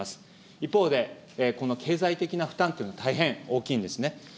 一方で、この経済的な負担というのは大変大きいんですね。